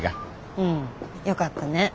うんよかったね。